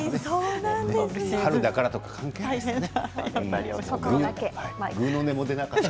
春だからとか関係ないですね。